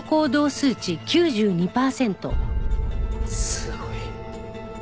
すごい。